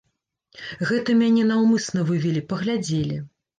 Гэта мяне наўмысна вывелі, паглядзелі.